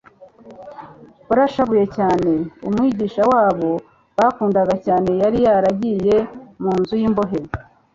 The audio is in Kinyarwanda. barashavuye cyane. Umwigisha wabo bakundaga cyane yari yaragiye mu nzu y'imbohe,